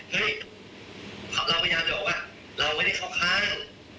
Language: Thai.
เราพยายามจะบอกว่าเราไม่ได้เข้าข้าง